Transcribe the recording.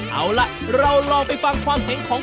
เอาล่ะเราลองไปฟังความเห็นของ